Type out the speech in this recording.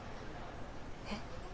えっ？